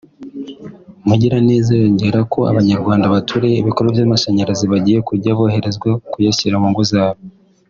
Mugiraneza yongeraho ko Abanyarwanda baturiye ibikorwa by’amashnarazi bagiye kujya boroherezwa kuyashyira mu ngo zabo